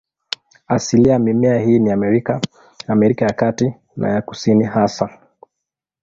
Asilia ya mimea hii ni Amerika, Amerika ya Kati na ya Kusini hasa.